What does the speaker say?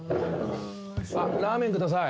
あっラーメンください。